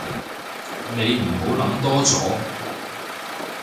你唔好諗多咗